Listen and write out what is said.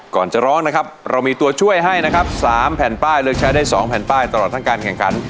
ก่อนจะร้องนะครับเรามีตัวช่วยให้นะครับ๓แผ่นป้ายเลือกใช้ได้๒แผ่นป้ายตลอดทั้งการแข่งขัน